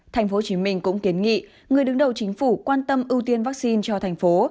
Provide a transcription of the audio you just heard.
tp hcm cũng kiến nghị người đứng đầu chính phủ quan tâm ưu tiên vaccine cho thành phố